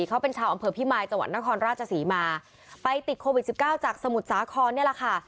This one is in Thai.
เขาเป็นชาวอำเภอพิมายจังหวัดนครราชศรีมาไปติดโควิดสิบเก้าจากสมุทรสาครนี่แหละค่ะ